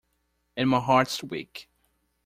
And my heart's weak.